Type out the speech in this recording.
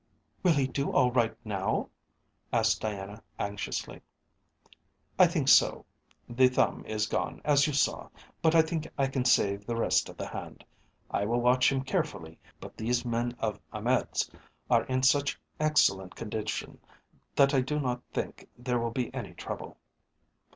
"Will he do all right now?" asked Diana anxiously. "I think so. The thumb is gone, as you saw, but I think I can save the rest of the hand. I will watch him carefully, but these men of Ahmed's are in such excellent condition that I do not think there will be any trouble."